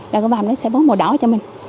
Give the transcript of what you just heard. là cái phòng nó sẽ bớt màu đỏ cho mình